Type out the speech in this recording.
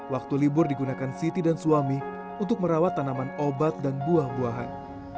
waktu libur digunakan siti dan suami untuk merawat tanaman obat dan buah buahan